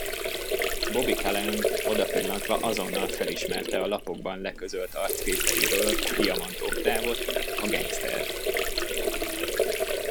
Bobby Calaghan odapillantva azonnal felismerte a lapokban leközölt arcképeiről Diamant Oktávot, a gengsztert.